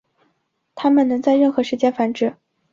它们能在任何时间繁殖。